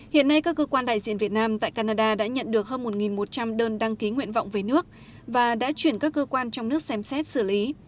hiện nay các cơ quan đại diện việt nam tại canada đã nhận được hơn một một trăm linh đơn đăng ký nguyện vọng về nước và đã chuyển các cơ quan trong nước xem xét xử lý